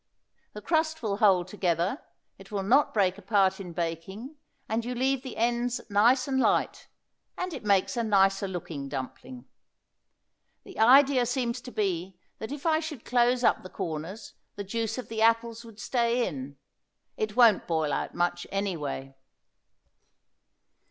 The crust will hold together, it will not break apart in baking, and you leave the ends nice and light; and it makes a nicer looking dumpling. The idea seems to be that if I should close up the corners the juice of the apples would stay in. It won't boil out much, anyway.